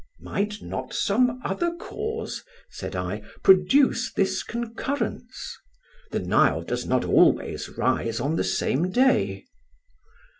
"'Might not some other cause,' said I, 'produce this concurrence? The Nile does not always rise on the same day.